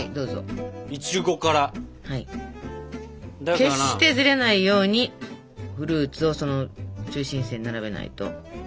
決してずれないようにフルーツをその中心線に並べないと。